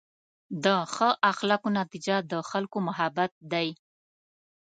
د ښه اخلاقو نتیجه د خلکو محبت دی.